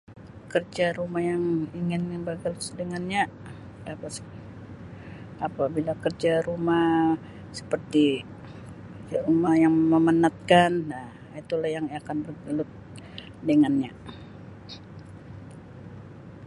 Kerja rumah yang ingin [unintelligible] dengannya [unintelligible] apabila kerja rumah seperti kerja rumah yang memenatkan Um itu lah yang akan bergelut dengannya.